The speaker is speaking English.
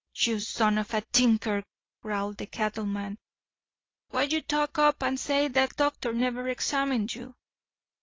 "You son of a tinker," growled the cattleman, "whyn't you talk up and say the doctor never examined you?"